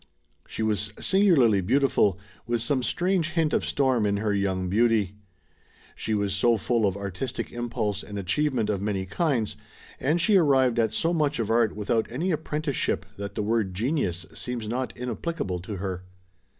She was singularly beautiful, with some strange hint of storm in her young beauty. She was so full of artistic impulse and achievement of many kinds, and she arrived at so much of art without any apprenticeship that the word "genius" seems not inapplicable to her.